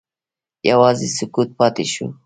یوازې سکوت پاتې شو.